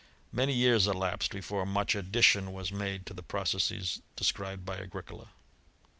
Many years elapsed before much addition was made to the processes described by Agricola.